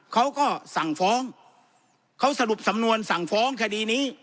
เขาก็สั่งฟ้องเขาสรุปสำนวนสั่งฟ้องคดีนี้